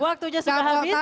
waktunya sudah habis